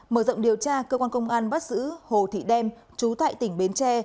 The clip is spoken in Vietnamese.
mở rộng điều tra cơ quan công an bắt giữ hồ thị đem chú tại tỉnh bến tre